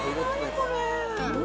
これ。